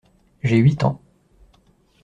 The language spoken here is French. J’ai huit ans.